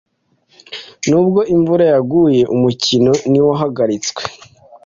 Nubwo imvura yaguye, umukino ntiwahagaritswe.